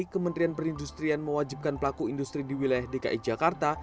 kementerian perindustrian mewajibkan pelaku industri di wilayah dki jakarta